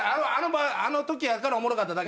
あのときやからおもろかっただけ。